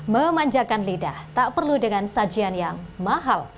memanjakan lidah tak perlu dengan sajian yang mahal